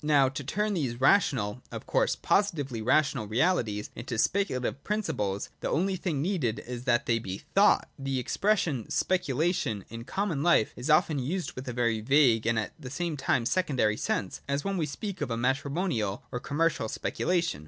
Now, to turn these rational (of course positively rational) realities into speculative principles, the only thing needed is that they be thought. The expression ' Speculation ' in common life is often used with a very vague and at the same time secondary sense, as when we speak of a matri monial or a commercial speculation.